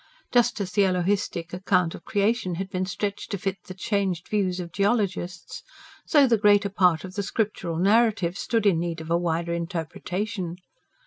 Just as the Elohistic account of creation had been stretched to fit the changed views of geologists, so the greater part of the scriptural narratives stood in need of a wider interpretation.